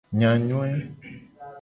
Enyanyoe.